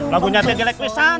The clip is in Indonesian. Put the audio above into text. lagunya cek elektrisan